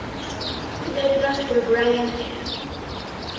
Letras por Brian Eno.